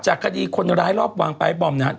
คดีคนร้ายรอบวางปลายบอมนะครับ